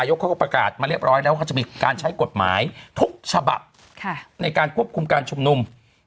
เขาก็ประกาศมาเรียบร้อยแล้วว่าเขาจะมีการใช้กฎหมายทุกฉบับในการควบคุมการชุมนุม